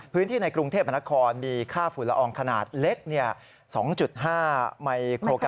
พื้นที่ในกรุงเทพธนครมีค่าฝุ่นละอองขนาดเล็ก